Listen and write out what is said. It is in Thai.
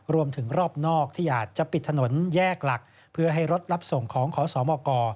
รอบนอกที่อาจจะปิดถนนแยกหลักเพื่อให้รถรับส่งของขอสมก